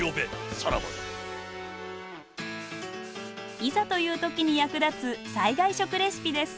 いざという時に役立つ災害食レシピです。